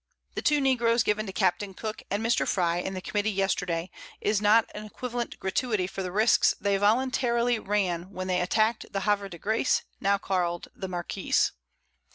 The 2 Negroes given to Capt. Cooke and Mr. Frye in the Committee yesterday, is not an equivalent Gratuity for the Risques they voluntarily ran when they attack'd the Havre de Grace, now call'd the Marquiss.